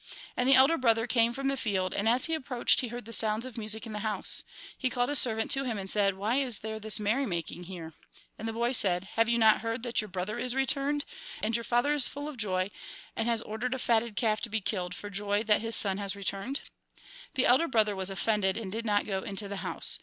And the elder brother came from the field, and as he approached he heard the sounds of music in the house. He called a servant to him, and said :' Why is there this merry making here ?' And the boy said :' Have you not heard that your brother is returned, and your father is full of joy, and has ordered a fatted calf to be killed, for joy that his son has returned ?' The elder brother was offended, and did not go into the house.